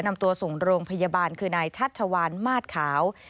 นำตัวส่งโรงพยาบาลคือนายชัชวานมาสขาว